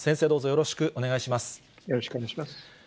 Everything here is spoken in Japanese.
よろしくお願いします。